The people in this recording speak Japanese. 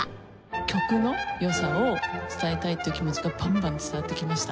曲の良さを伝えたいっていう気持ちがバンバン伝わってきました。